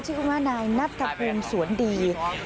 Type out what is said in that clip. ชื่อว่านายนัทภูมิสวนดี